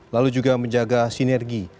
lalu juga menjaga sinergi